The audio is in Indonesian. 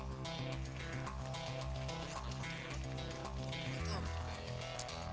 kakak berkat dulu ya